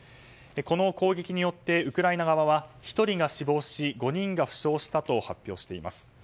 この攻撃によってウクライナ側は１人が死亡し、５人が負傷したと発表しています。